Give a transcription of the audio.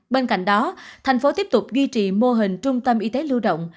bên cạnh đó tp hcm tiếp tục duy trì mô hình trung tâm y tế lưu động